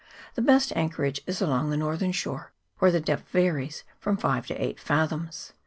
The best anchorage is along the northern shore, where the depth varies from five to eight fathoms.